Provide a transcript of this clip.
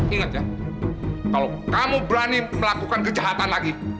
ingat ya kalau kamu berani melakukan kejahatan lagi